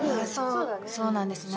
そうなんですね。